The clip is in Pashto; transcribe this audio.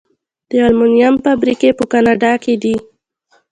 د المونیم فابریکې په کاناډا کې دي.